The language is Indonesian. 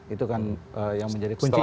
itu kan yang menjadi kuncinya